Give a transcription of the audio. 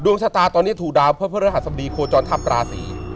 ดวงชะตาตอนนี้ถูกดาวเพื่อพระราชสมดีโครจรทัพราศรี